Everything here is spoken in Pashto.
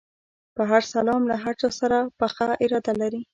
په هر سلام له هر چا سره پخه اراده لري.